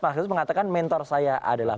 mas agus mengatakan mentor saya adalah